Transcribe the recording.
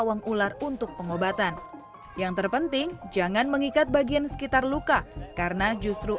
uang ular untuk pengobatan yang terpenting jangan mengikat bagian sekitar luka karena justru